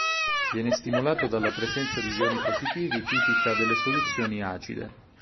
Viene stimolato dalla presenza di ioni positivi tipica delle soluzioni acide.